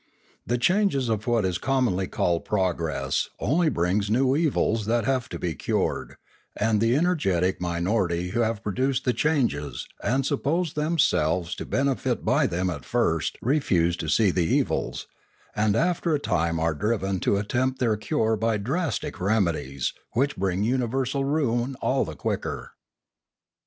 The changes of what is commonly called progress only bring new evils that have to be cured, and the energetic minority who have produced the changes and suppose themselves to 678 Limanora benefit by them at first refuse to see the evils, and after a time are driven to attempt their cure by drastic remedies which bring universal ruin all the quicker.